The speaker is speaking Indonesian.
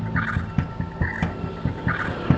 aku mau ke sana